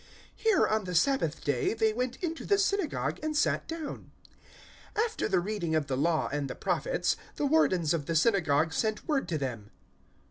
Here, on the Sabbath day, they went into the synagogue and sat down. 013:015 After the reading of the Law and the Prophets, the Wardens of the synagogue sent word to them.